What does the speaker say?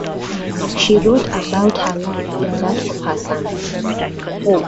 She wrote about her life and that of her sons.